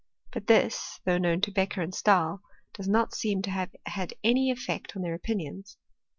But this, though known to Beccher and Stahl, does not seem to have had any effect on their opinions.